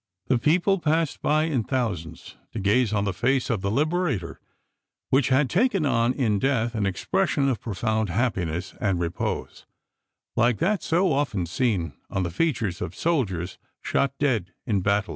The people passed by in thousands to gaze on the face of the liberator — which had taken on in death an expression of profound hap piness and repose, like that so often seen on the features of soldiers shot dead in battle.